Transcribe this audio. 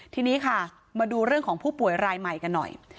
ทีนี้ค่ะมาดูเรื่องของผู้ป่วยรายใหม่กันหน่อย